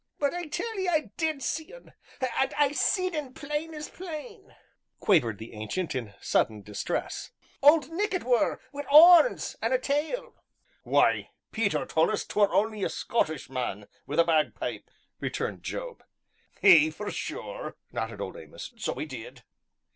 "But I tell 'ee I did see un, I I see'd un plain as plain," quavered the Ancient, in sudden distress. "Old Nick it were, wi' 'orns, an' a tail." "Why, Peter told us 'twere only a Scottish man wi' a bagpipe," returned Job. "Ay, for sure," nodded Old Amos, "so 'e did."